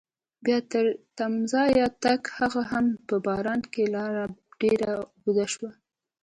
بیا تر تمځایه تګ هغه هم په باران کې لاره ډېره اوږده شوه.